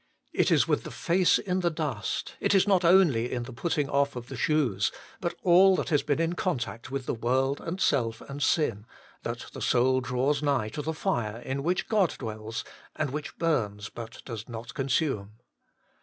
It is with the face in the dust, it is in the putting off not only of the shoes, but of all that ' has been in contact with the world and self and sin, that the soul draws nigh to the fire, in which God dwells, HOLINESS AND KEVELATION. 43 and which burns, but does not consume.